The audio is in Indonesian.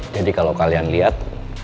jadi kalau kalian lihat